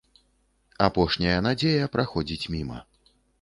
Апошняя надзея праходзіць міма.